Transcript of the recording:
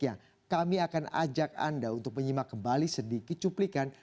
ya kami akan ajak anda untuk menyimak kembali sedikit cuplikan